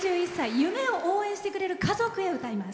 夢を応援してくれる家族へ歌います。